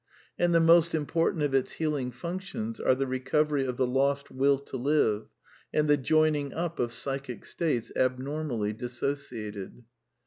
And the most important of its healing functions are the re covery of the lost Will to live, and tiie joining up of psychic states abnormally dissociated.